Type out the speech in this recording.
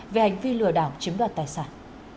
về hành vi lừa đảo chiếm đoạt tài sản